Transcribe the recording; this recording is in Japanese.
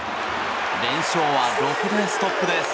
連勝は６でストップです。